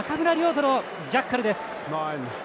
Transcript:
土のジャッカルです。